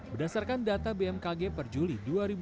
berdasarkan data bmkg per juli dua ribu dua puluh